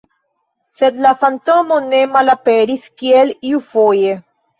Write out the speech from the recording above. Sed la fantomo ne malaperis, kiel iufoje.